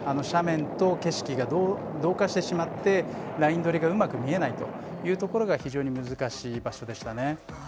斜面と景色が同化してしまってライン取りがうまく見えないというところが非常に難しい場所でしたね。